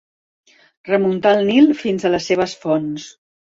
Remuntar el Nil fins a les seves fonts.